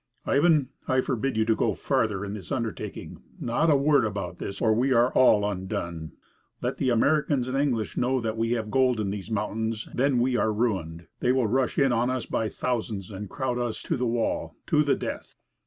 "Ivan, I forbid you to go farther in this undertaking. Not a word about this, or we are all undone. Let the Americans and the English know that we have gold in these mountains, then we are ruined. They will rush in on us by thousands, and crowd us to the wall to the death."